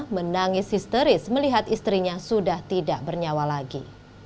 menangis histeris melihat istrinya sudah tidak bernyawa lagi